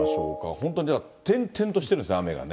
本当にだから点々としてるんですね、雨がね。